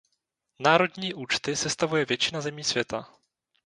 Národní účty sestavuje většina zemí světa.